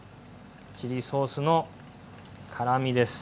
チリソースの辛みです。